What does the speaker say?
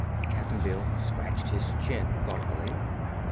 Cap'n Bill scratched his chin thoughtfully.